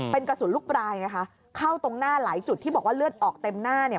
เป็นกระสุนลูกปลายไงคะเข้าตรงหน้าหลายจุดที่บอกว่าเลือดออกเต็มหน้าเนี่ย